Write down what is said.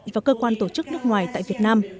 và cơ quan tổ chức nước ngoài tại việt nam